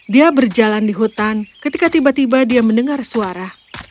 dia berjalan di hutan ketika tiba tiba dia mendengar suara